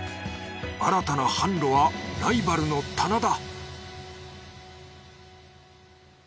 新たな販路はライバルの棚だ